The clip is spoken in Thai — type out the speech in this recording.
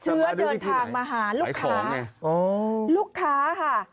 เดินทางมาหาลูกค้าลูกค้าค่ะ